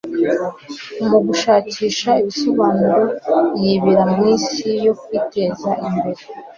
Mugushakisha ibisobanuro, yibira mwisi yo kwiteza imbere,